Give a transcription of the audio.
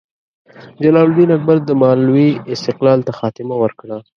جلال الدین اکبر د مالوې استقلال ته خاتمه ورکړه.